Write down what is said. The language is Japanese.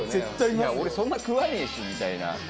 「いや俺そんな食わねえし」みたいな。